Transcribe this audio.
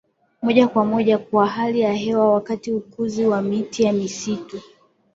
moja kwa moja kwa hali ya hewa wakati ukuzi wa miti ya misitu